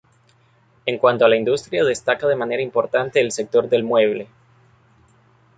En cuanto a la industria destaca de manera importante el sector del mueble.